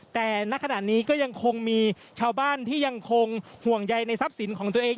แต่ณขณะนี้ก็ยังคงมีชาวบ้านที่ยังคงห่วงใยในทรัพย์สินของตัวเอง